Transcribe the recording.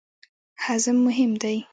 هضم مهم دی.